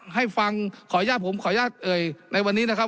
ให้ฟังขออนุญาตผมขออนุญาตเอ่ยในวันนี้นะครับ